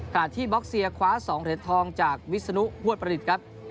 ที่บ็อกเซียคว้า๒เหรียญทองจากวิศนุฮวดประดิษฐ์ครับ